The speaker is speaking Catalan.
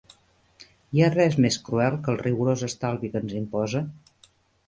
Hi ha res més cruel que el rigorós estalvi que ens imposa?